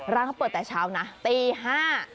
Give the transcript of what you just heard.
ร้านเขาเปิดแต่เช้านะตีห้า